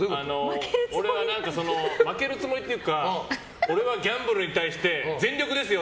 負けるつもりというか俺はギャンブルに対して全力ですよ！